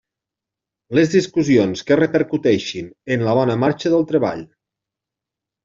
Les discussions que repercuteixin en la bona marxa del treball.